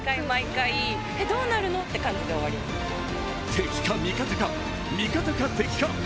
「敵か味方か、味方か敵か」。